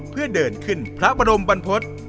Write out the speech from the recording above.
เพื่อเดินขึ้นพระบรมบรรพฤษ